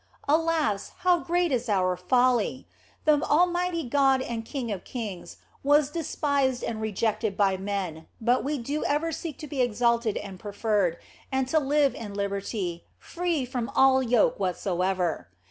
Alas, how great is our folly ! The mighty Lord and King of kings was despised and rejected of men, but we do ever seek to be exalted and preferred, and to live in liberty, free from all yoke whatsoever.